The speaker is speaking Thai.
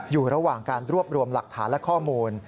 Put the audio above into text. อยู่ระหว่างการรวบรวมหลักฐานและข้อมูล